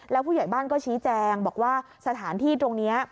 แล้วผู้ใหญ่บ้านก็ชี้แจงบอกว่าสถานที่ตรงนี้